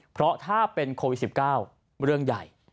เพราะถ้าเป็นโควิด๑๙เรื่องใหญ่